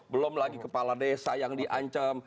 belum lagi kepala desa yang diancam